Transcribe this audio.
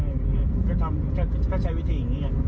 ก็ตามก็ใช้วิธีอย่างนี้